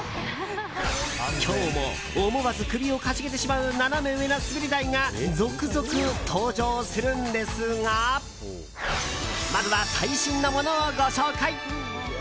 今日も思わず首をかしげてしまうナナメ上な滑り台が続々登場するんですがまずは、最新のものをご紹介。